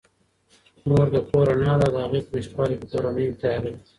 مور د کور رڼا ده او د هغې په نشتوالي کي کورنۍ تیاره وي